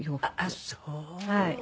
ああそう。